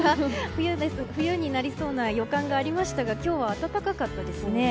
冬になりそうな予感がありましたが今日は暖かったですね。